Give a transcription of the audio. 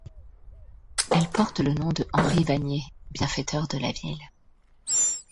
Elle porte le nom de Henry Vasnier, bienfaiteur de la ville.